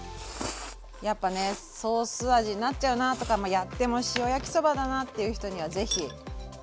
やっぱねソース味になっちゃうなとかやっても塩焼きそばだなっていう人には是非。